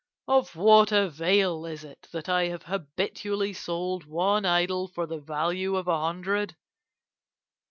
Of what avail is it that I have habitually sold one idol for the value of a hundred?